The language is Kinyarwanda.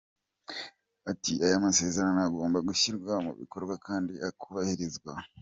Ati “aya masezerano agomba gushyirwa mu bikorwa kandi akubahirizwa.”